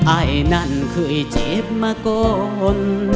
ไอ้นั่นเคยเจ็บมาก่อน